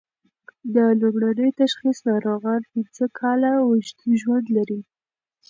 د لومړني تشخیص ناروغان پنځه کاله اوږد ژوند لري.